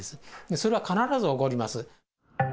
それは必ず起こります。